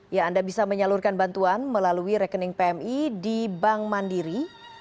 ya anda bisa menyalurkan bantuan melalui rekening pmi di bank mandiri